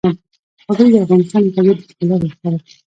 وګړي د افغانستان د طبیعت د ښکلا برخه ده.